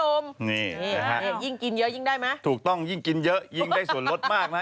นี่นะฮะยิ่งกินเยอะยิ่งได้ไหมถูกต้องยิ่งกินเยอะยิ่งได้ส่วนลดมากนะฮะ